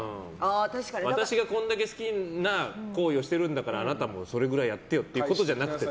私がこれだけ好きな行為をしてるんだからあなたもそれぐらいやってよっていうことじゃなくて。